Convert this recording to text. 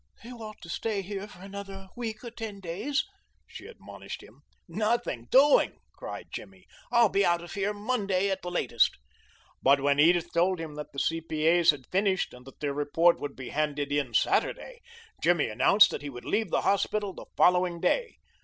"You ought to stay here for another week or ten days," she admonished him. "Nothing doing,"' cried Jimmy. "I'll be out of here Monday at the latest." But when Edith told him that the C.P.A.'s had finished, and that their report would be handed in Saturday, Jimmy announced that he would leave the hospital the following day.